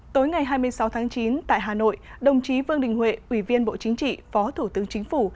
tối ngày hai mươi sáu tháng chín tại hà nội đồng chí vương đình huệ ủy viên bộ chính trị phó thủ tướng chính phủ